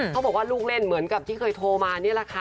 เขาบอกว่าลูกเล่นเหมือนกับที่เคยโทรมานี่แหละค่ะ